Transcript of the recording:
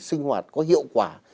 sinh hoạt có hiệu quả